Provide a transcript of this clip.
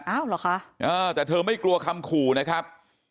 เหรอคะแต่เธอไม่กลัวคำขู่นะครับ